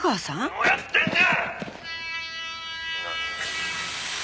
「何をやってんだ！？」